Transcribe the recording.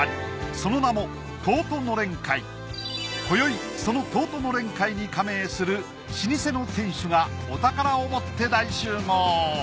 その名も今宵その東都のれん会に加盟する老舗の店主がお宝を持って大集合。